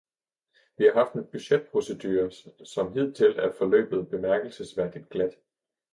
Vi har haft en budgetprocedure, som hidtil er forløbet bemærkelsesværdigt glat.